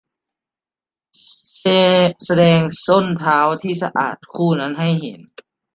แสดงส้นเท้าที่สะอาดคู่นั้นให้เห็น